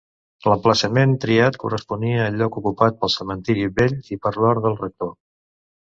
L'emplaçament triat corresponia al lloc ocupat pel cementiri vell i per l'hort del rector.